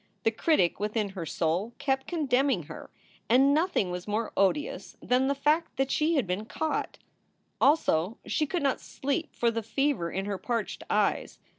The critic within her soul kept condemning her, and nothing was more odious than the fact that she had been caught. Also, she could not sleep for the fever in her parched eyes.